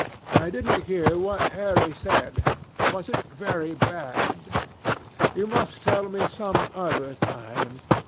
I didn't hear what Harry said. Was it very bad? You must tell me some other time.